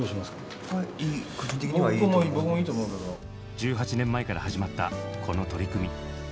１８年前から始まったこの取り組み。